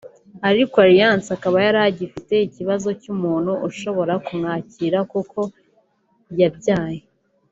ariko Alliance akaba yari agifite ikibazo cy’umuntu ushobora kumwakira kuko yabyaye